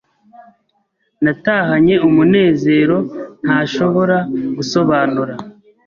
natahanye umunezero ntashobora gusobanura.